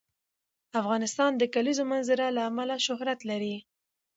افغانستان د د کلیزو منظره له امله شهرت لري.